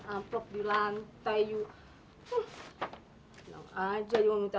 bapak bapak talinda